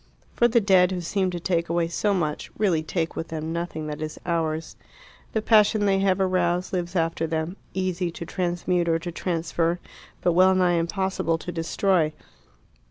For the dead, who seemed to take away so much, really take with them nothing that is ours. The passion they have aroused lives after them, easy to transmute or to transfer, but well nigh impossible to destroy.